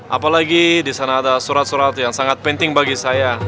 apalagi di sana ada surat surat yang sangat penting bagi saya